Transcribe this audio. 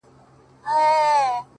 چي هغه زه له خياله وباسمه-